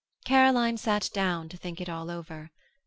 Caroline sat down to think it all over.